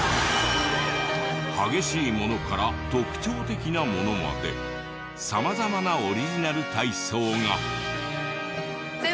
激しいものから特徴的なものまで様々なオリジナル体操が。